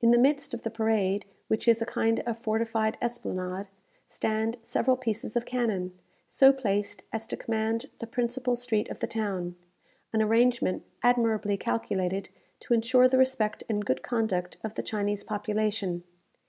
In the midst of the parade, which is a kind of fortified esplanade, stand several pieces of cannon, so placed as to command the principal street of the town an arrangement admirably calculated to ensure the respect and good conduct of the Chinese population.